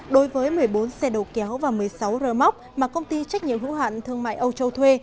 đối với một mươi bốn xe đầu kéo và một mươi sáu rơ móc mà công ty trách nhiệm hữu hạn thương mại âu châu thuê